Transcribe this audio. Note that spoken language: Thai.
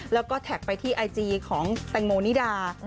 แล้วก็แท็กไปที่ไอจีของแตงโมนิดา